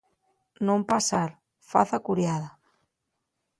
Nun pasar: Faza curiada.